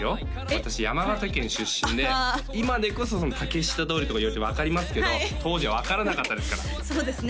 私山形県出身で今でこそ竹下通りとか言われても分かりますけど当時は分からなかったですからそうですね